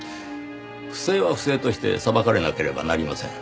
不正は不正として裁かれなければなりません。